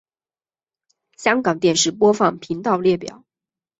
香港电视播放频道列表